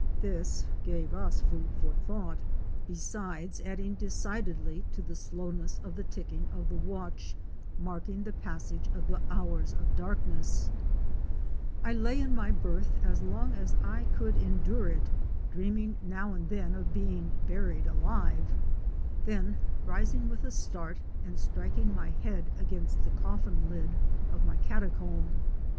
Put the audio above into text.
This gave us food for thought, 74. OUR SEARCH FOR A WILDERNESS. besides adding decidedly to the slowness of the ticking of the watch marking the passage of the hours of darkness. I lay in my berth as long as I could endure it; dreaming now and then of being buried alive, then rising with a start and striking my head against the coffin lid of my catacomb.